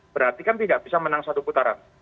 berarti kan tidak bisa menang satu putaran